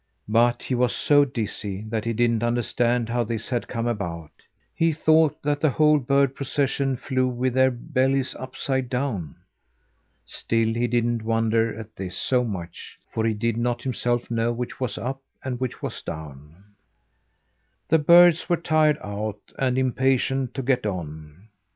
But he was so dizzy that he didn't understand how this had come about: he thought that the whole bird procession flew with their bellies upside down. Still he didn't wonder at this so much, for he did not himself know which was up, and which was down. The birds were tired out and impatient to get on.